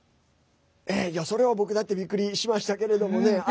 それは僕だってびっくりしましたけれどもね。